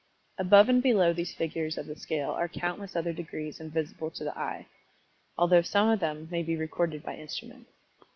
Above and below these figures of the scale are countless other degrees invisible to the eye, although some of them may be recorded by instruments.